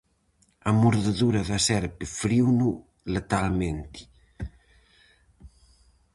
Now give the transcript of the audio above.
A mordedura da serpe feriuno letalmente.